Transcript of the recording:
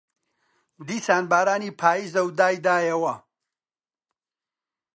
دیسان بارانی پاییزە دایدایەوە